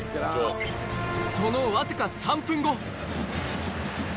その僅か３分後。